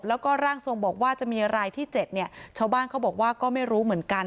แล้วก็ร่างทรงบอกว่าจะมีรายที่๗เนี่ยชาวบ้านเขาบอกว่าก็ไม่รู้เหมือนกัน